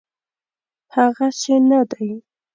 هغسي نه دی.